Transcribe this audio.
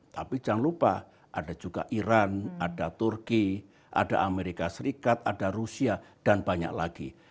tapi jangan lupa ada juga iran ada turki ada amerika serikat ada rusia dan banyak lagi